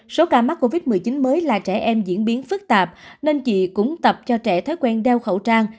số ca mắc covid một mươi chín mới là trẻ em diễn biến phức tạp nên chị cũng tập cho trẻ thói quen đeo khẩu trang